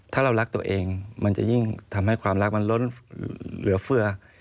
ถ้าเรารักตัวเองมันจะยิ่งทำให้ความรักมันล้นเหลือเฟือ